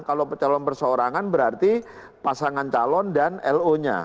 kalau calon perseorangan berarti pasangan calon dan lo nya